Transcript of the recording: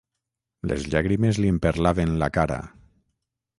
Les llàgrimes li emperlaven la cara.